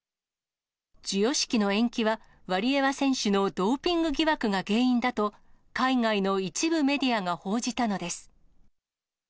授与式の延期は、ワリエワ選手のドーピング疑惑が原因だと、海外の一部メディアが報じたのです。